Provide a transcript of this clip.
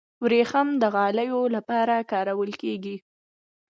وریښم د غالیو لپاره کارول کیږي.